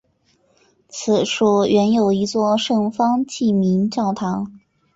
此处原有一座圣方济各教堂。